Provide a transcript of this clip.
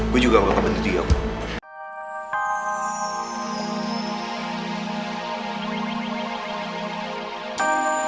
gue juga gak bakal bantu dia kok